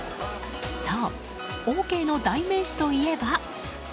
そうオーケーの代名詞といえば。